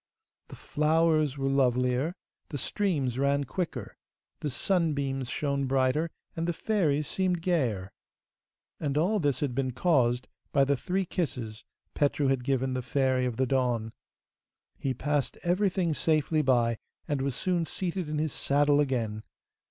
The flowers were lovelier, the streams ran quicker, the sunbeams shone brighter, and the fairies seemed gayer. And all this had been caused by the three kisses Petru had given the Fairy of the Dawn. He passed everything safely by, and was soon seated in his saddle again.